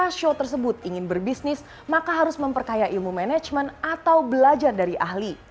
karena show tersebut ingin berbisnis maka harus memperkaya ilmu manajemen atau belajar dari ahli